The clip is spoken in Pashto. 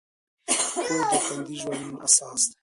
کور د خوندي ژوند اساس دی.